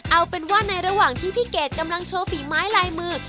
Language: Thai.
เอาเป็นว่าในระหว่างที่พี่เกดกำลังโชว์ฝีไม้ลายมือ